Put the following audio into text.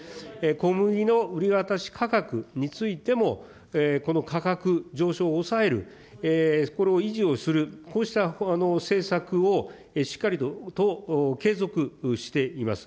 小麦の売り渡し価格についても、この価格上昇を抑える、これを維持をする、こうした政策をしっかりと継続しています。